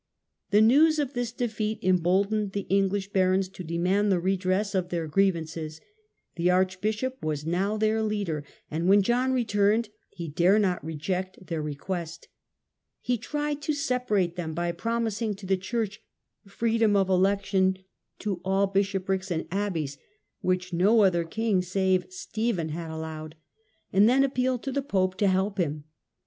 The news of this defeat emboldened the English barons to demand the redress of their grievances. The arch bishop was now their leader, and when John returned he dared not reject their request. He tried to separate them by promising to the church freedom of election to all bishoprics and abbeys (which no other king save Stephen had allowed), and then appealed to the pope to help him.